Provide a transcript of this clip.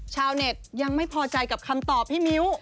ชาวเน็ตยังไม่พอใจกับคำตอบพี่มิ้ว